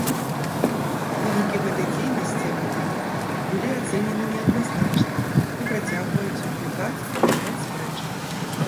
Вынікі гэтай дзейнасці акадэміка былі ацэнены неадназначна і працягваюць выклікаць шмат спрэчак.